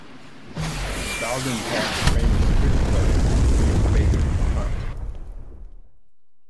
Bowden called the famous trick play, a fake punt.